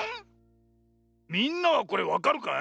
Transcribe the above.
みんなはこれわかるかい？